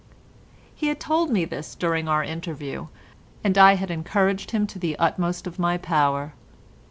He had told me this during our interview, and I had encouraged him to the utmost of my power.